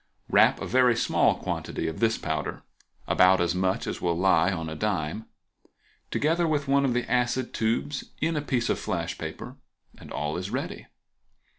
Wrap a very small quantity of this powder—about as much as will lie on a dime—together with one of the acid tubes in a piece of flash paper, and all is ready.